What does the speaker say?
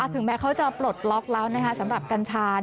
ถึงแม้เขาจะปลดล็อกแล้วนะคะสำหรับกัญชา